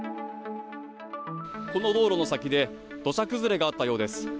この道路の先で土砂崩れがあったようです。